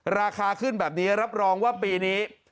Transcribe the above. ราคาขึ้นแบบนี้รับรองว่าปีนี้